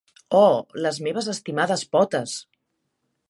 Oh, les meves estimades potes!